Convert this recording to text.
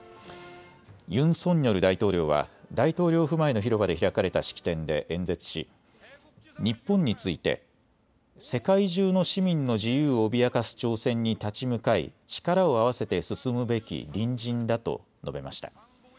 ユン・ソンニョル大統領は大統領府前の広場で開かれた式典で演説し日本について世界中の市民の自由を脅かす挑戦に立ち向かい、力を合わせて進むべき隣人だと述べました。